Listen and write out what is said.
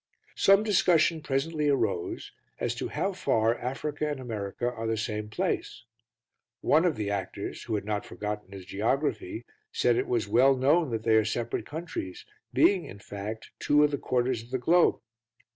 Some discussion presently arose as to how far Africa and America are the same place: one of the actors, who had not forgotten his geography, said it was well known that they are separate countries, being, in fact, two of the quarters of the globe.